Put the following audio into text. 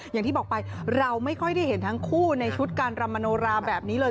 อย่างที่บอกไปเราไม่ค่อยได้เห็นทั้งคู่ในชุดการรำมโนราแบบนี้เลย